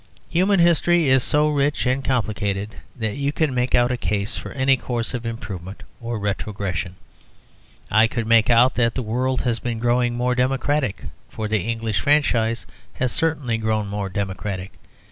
Human history is so rich and complicated that you can make out a case for any course of improvement or retrogression. I could make out that the world has been growing more democratic, for the English franchise has certainly grown more democratic.